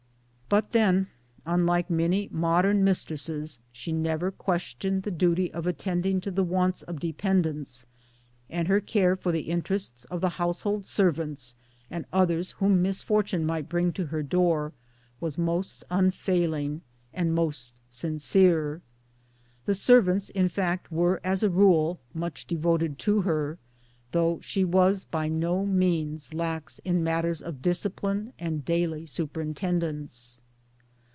But then unlike many modern mistresses she never questioned the duty of attending to the wants of dependents ; and her care for the interests of the household servants, and others whom misfortune might bring to her door, was most unfail ing and most sincere. The servants in fact were as a rule much devoted to her though she was by no means lax in matters of discipline and daily superintendence